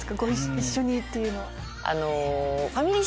一緒にっていうのは。